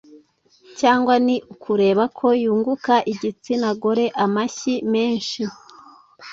cyangwa ni ukubera ko yunguka igitsina gore amashyi menshi.